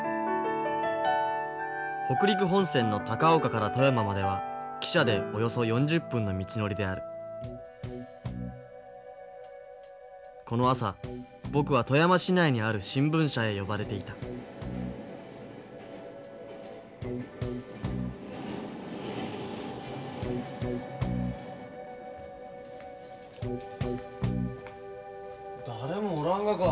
北陸本線の高岡から富山までは汽車でおよそ４０分の道のりであるこの朝僕は富山市内にある新聞社へ呼ばれていた誰もおらんがか。